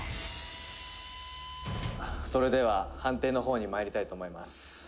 「それでは判定の方に参りたいと思います」